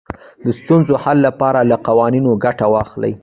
د ستونزو حل لپاره له قوانینو ګټه واخلئ.